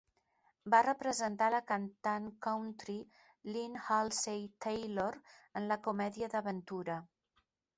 Va representar la cantant country Lynn Halsey-Taylor en la comèdia d'aventura.